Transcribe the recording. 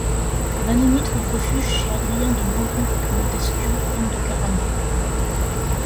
Vanini trouve refuge chez Adrien de Montluc-Montesquiou, comte de Caraman.